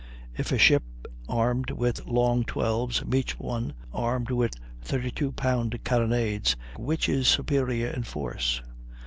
If a ship armed with long 12's, meets one armed with 32 pound carronades, which is superior in force?